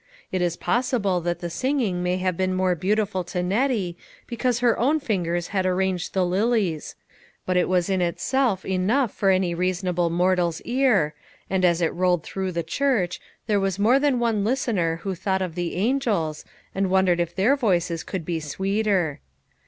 It is possible that the singing may have been more beautiful to Nettie because her own fingers had arranged the lilies, but it was in itself enough for any reasonable mortal's ear, and as it rolled through the church, there was more than one listener who thought of the angels, and wondered if their voices could be sweeter.